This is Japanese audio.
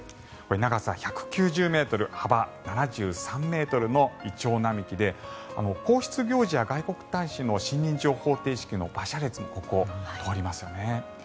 長さ１９０ｍ、幅７３ｍのイチョウ並木で皇室行事や外国大使の信任状捧呈式の馬車列もここを通りますよね。